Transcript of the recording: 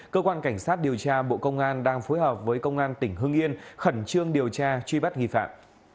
cơ quan cảnh sát điều tra bộ công an đang phối hợp với công an tỉnh hưng yên khẩn trương điều tra truy bắt nghi phạm